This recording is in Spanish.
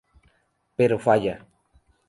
Pero falla.